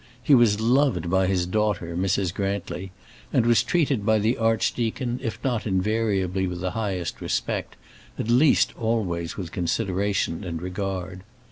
He was loved by his daughter, Mrs. Grantly, and was treated by the archdeacon, if not invariably with the highest respect, at least always with consideration and regard.